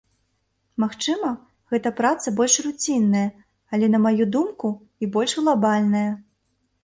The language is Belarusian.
Магчыма, гэта праца больш руцінная, але, на маю думку, і больш глабальная.